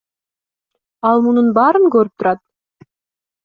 Ал мунун баарын көрүп турат.